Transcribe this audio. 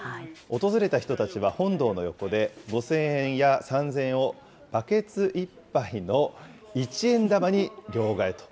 訪れた人たちは本堂の横で、５０００円や３０００円をバケツいっぱいの一円玉に両替。